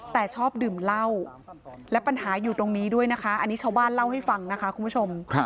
แต่ชอบดื่มเหล้าและปัญหาอยู่ตรงนี้ด้วยนะคะอันนี้ชาวบ้านเล่าให้ฟังนะคะคุณผู้ชม